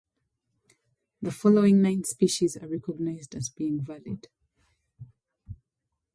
The following nine species are recognized as being valid.